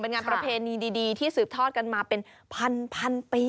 งานประเพณีดีที่สืบทอดกันมาเป็นพันปี